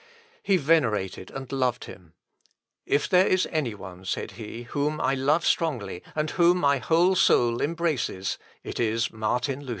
He venerated and loved him. "If there is any one," said he, "whom I love strongly, and whom my whole soul embraces, it is Martin Luther."